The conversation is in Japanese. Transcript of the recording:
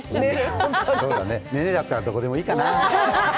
ネネだったら、どこでもいいかな。